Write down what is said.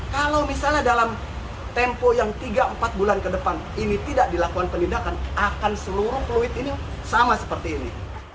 kalau misalnya dalam tempo yang tiga empat bulan ke depan ini tidak dilakukan penindakan akan seluruh fluid ini sama seperti ini